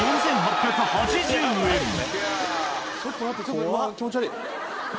ちょっと待ってちょっと気持ち悪い。